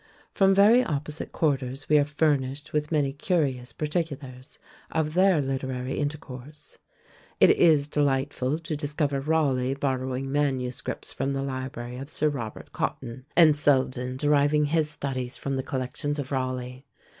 From very opposite quarters we are furnished with many curious particulars of their literary intercourse: it is delightful to discover Rawleigh borrowing manuscripts from the library of Sir Robert Cotton, and Selden deriving his studies from the collections of Rawleigh.